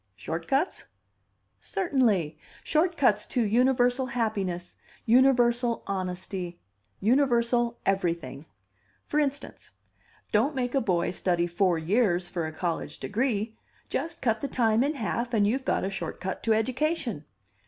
"Short cuts?" "Certainly. Short cuts to universal happiness, universal honesty, universal everything. For instance: Don't make a boy study four years for a college degree; just cut the time in half, and you've got a short cut to education.